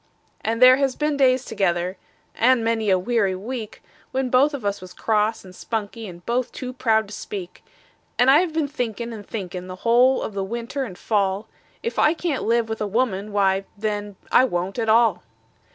And there has been days together and many a weary week We was both of us cross and spunky, and both too proud to speak; And I have been thinkin' and thinkin', the whole of the winter and fall, If I can't live kind with a woman, why, then, I won't at all.